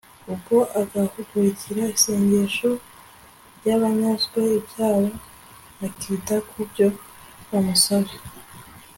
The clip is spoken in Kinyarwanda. ubwo agahugukira isengesho ry'abanyazwe ibyabo, akita ku byo bamusaba